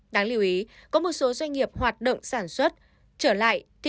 đáng lưu ý có một số doanh nghiệp hoạt động sản xuất trở lại